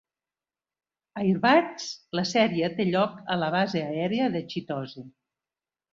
Airbats, la sèrie té lloc a la base aèria de Chitose.